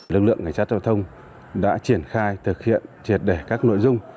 lực lượng cảnh sát giao thông đã triển khai thực hiện triệt để các nội dung